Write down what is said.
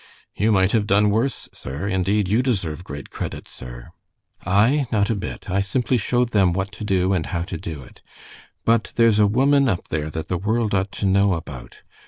"You might have done worse, sir. Indeed, you deserve great credit, sir." "I? Not a bit. I simply showed them what to do and how to do it. But there's a woman up there that the world ought to know about.